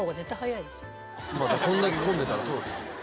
こんだけ混んでたらそうですよね。